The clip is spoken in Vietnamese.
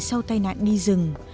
sau tai nạn đi rừng